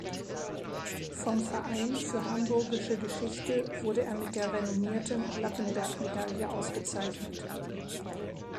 Vom Verein für Hamburgische Geschichte wurde er mit der renommierten Lappenberg-Medaille ausgezeichnet.